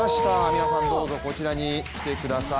皆さんどうぞこちらに来てください。